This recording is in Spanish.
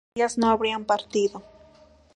ellas no habrían partido